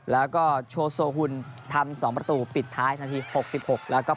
แล้วก็โชโซฮุนทำ๒ประตูปิดท้ายทันที๖๖แล้วก็